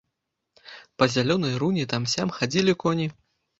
Па зялёнай руні там-сям хадзілі коні.